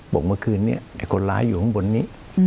เมื่อคืนนี้ไอ้คนร้ายอยู่ข้างบนนี้